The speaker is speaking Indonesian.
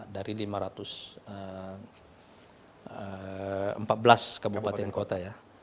dari lima ratus empat belas kabupaten kota ya